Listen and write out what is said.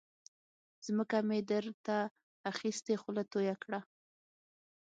ځمکه مې در ته اخستې خوله تویه کړه.